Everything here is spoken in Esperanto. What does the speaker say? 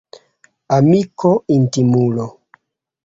Amiko — intimulo.